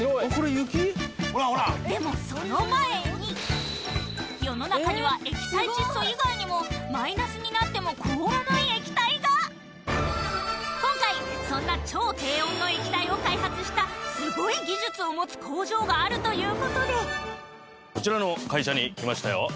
でもその前に世の中には液体窒素以外にもマイナスになっても凍らない液体が今回そんな超低温の液体を開発したすごい技術を持つ工場があるということでこちらの会社に来ましたよ